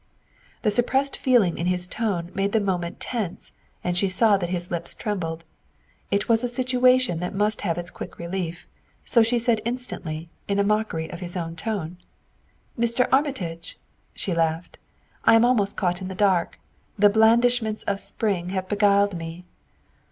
The suppressed feeling in his tone made the moment tense and she saw that his lips trembled. It was a situation that must have its quick relief, so she said instantly, in a mockery of his own tone: "Mr. Armitage!" She laughed. "I am almost caught in the dark. The blandishments of spring have beguiled me."